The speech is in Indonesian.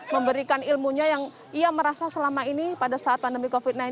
memberikan ilmunya yang ia merasa selama ini pada saat pandemi covid sembilan belas